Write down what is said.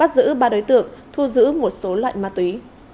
bắt giữ ba đối tượng thu giữ một số loại ma túy